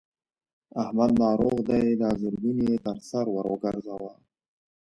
احمد ناروغ دی؛ دا زرګون يې تر سر ور ګورځوه.